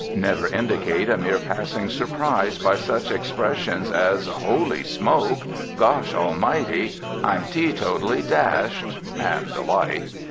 Never indicate a mere passing surprise by such expressions as "Holy smoke!" "Gosh almighty!" "I'm teetotally dashed!" and the like.